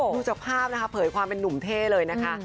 ดูจากภาพนะคะเผยความเป็นนุ่มเท่เลยนะคะ